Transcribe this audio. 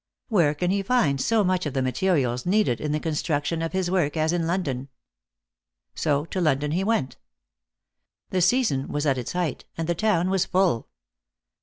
Where can he find so much of the materials needed in the construction of his work as in London ? So to London he went. The season was at its height, and the town was full.